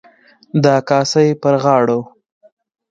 د کاسای پر غاړو.